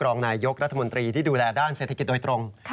รองนายยกรัฐมนตรีที่ดูแลด้านเศรษฐกิจโดยตรง